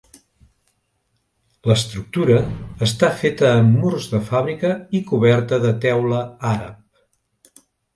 L'estructura està feta amb murs de fàbrica i coberta de teula àrab.